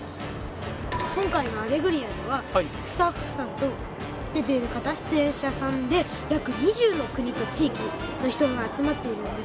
今回の『アレグリア』ではスタッフさんと出てる方出演者さんで約２０の国と地域の人が集まってるんですよ。